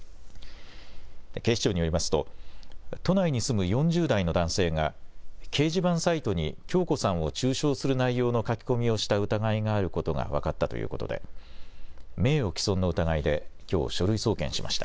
警視庁によりますと、都内に住む４０代の男性が、掲示板サイトに響子さんを中傷する内容の書き込みをした疑いがあることが分かったということで、名誉毀損の疑いできょう、書類送検しました。